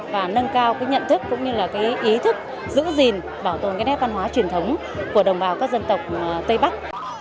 và nâng cao cái nhận thức cũng như là cái ý thức giữ gìn bảo tồn cái nét văn hóa truyền thống của đồng bào các dân tộc tây bắc